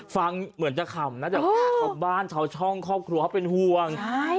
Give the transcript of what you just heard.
ฟังเหมือนจะคำน่าจะบ้านเฉาช่องครอบครัวเขาเป็นห่วง